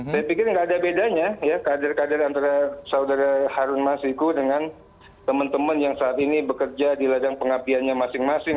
saya pikir nggak ada bedanya ya kader kader antara saudara harun masiku dengan teman teman yang saat ini bekerja di ladang pengabdiannya masing masing